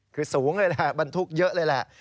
คือสูงเลยแหละบรรทุกเยอะเลยแหละ